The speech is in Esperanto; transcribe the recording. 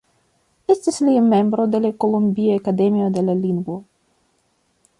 Estis li membro de la Kolombia akademio de la lingvo.